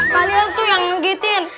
kalian tuh yang ngegitin